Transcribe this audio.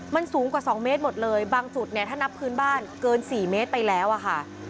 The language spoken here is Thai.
มันสูงกว่า๒เมตรหมดเลยบางจุดเนี่ยถ้านับพื้นบ้านเกิน๔เมตรไปแล้วอะค่ะ